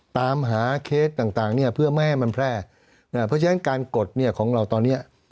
ตามหาเคสต่างต่างเนี่ยเพื่อไม่ให้มันแพร่เพราะฉะนั้นการกดเนี่ยของเราตอนเนี้ย